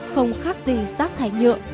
không khác gì rác thải nhượng